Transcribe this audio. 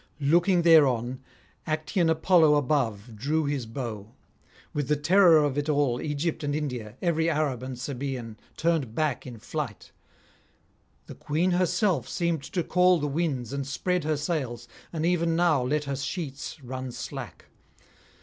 Looking thereon, Actian Apollo above drew his bow; with the terror of it all Egypt and India, every Arab and Sabaean, turned back in flight. The Queen herself seemed to call the winds and spread her sails, and even now let her sheets run slack.